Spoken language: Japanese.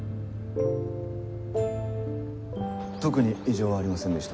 ・特に異常はありませんでした